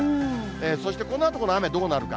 そしてこのあとこの雨、どうなるか。